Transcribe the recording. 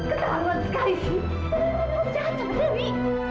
kamu kenapa seperti drei